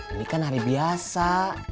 ini kan hari biasa